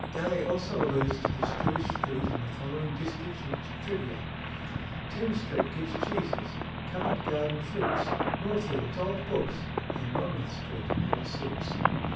Gay also alludes to this Jewish street in the following distich in his "Trivia" "Thames Street gives cheeses, Covent Garden fruits, Moorfields old books, and Monmouth Street old suits."